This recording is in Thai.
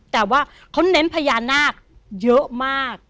แต่ว่าเขาเน้นพญานาคเยอะมาก